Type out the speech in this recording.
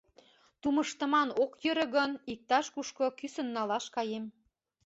Тумыштыман ок йӧрӧ гын, иктаж-кушко кӱсын налаш каем...